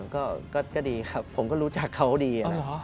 ก็ดีครับผมก็รู้จักเขาดีนะ